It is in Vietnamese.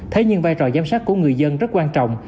thế nhưng vai trò giám sát của người dân rất quan trọng